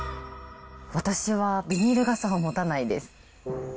私はビニール傘を持たないです。